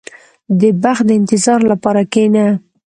• د بخت د انتظار لپاره کښېنه.